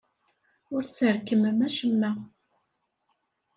Ur tesrekmem acemma.